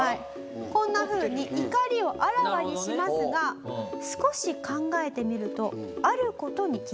こんなふうに怒りをあらわにしますが少し考えてみるとある事に気がつきました。